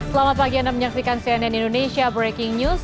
selamat pagi anda menyaksikan cnn indonesia breaking news